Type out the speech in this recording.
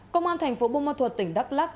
công an thành phố buôn ma thuật tỉnh đắk lắc